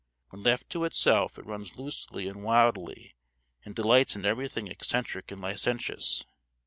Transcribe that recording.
When left to itself it runs loosely and wildly, and delights in everything eccentric and licentious.